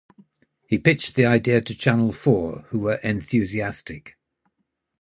He pitched the idea to Channel Four who were enthusiastic.